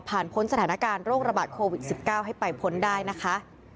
พ้นสถานการณ์โรคระบาดโควิด๑๙ให้ไปพ้นได้นะคะ